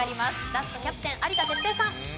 ラストキャプテン有田哲平さん。